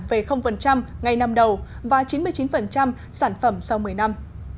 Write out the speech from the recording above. về ngày năm đầu và chín mươi chín sản phẩm sau một mươi năm